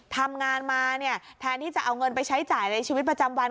ทำงานมาเนี่ยแทนที่จะเอาเงินไปใช้จ่ายในชีวิตประจำวัน